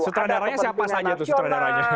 sutradaranya siapa saja tuh sutradaranya